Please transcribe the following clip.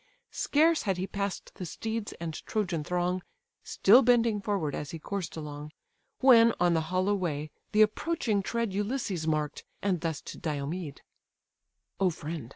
Scarce had he pass'd the steeds and Trojan throng, (Still bending forward as he coursed along,) When, on the hollow way, the approaching tread Ulysses mark'd, and thus to Diomed; "O friend!